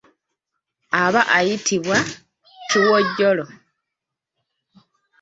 Aba ayitibwa kiwojjolo.